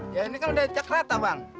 ya ini kan udah cek rata bang